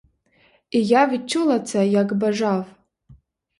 І я відчула це, як бажав.